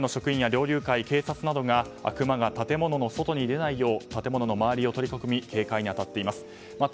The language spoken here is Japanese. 県の職員や猟友会、警察などがクマが建物の外に出ないよう建物の周りを取り囲み警戒に当たっています。